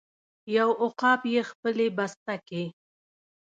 یو عقاب یې خپلې بسته کې